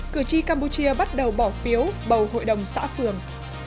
cửa chi campuchia bắt đầu bỏ phiếu bầu hội đồng xã phường